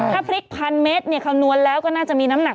ถ้าพริกพันเมตรคำนวณแล้วก็น่าจะมีน้ำหนัก